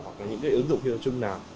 hoặc là những cái ứng dụng thi tập trung nào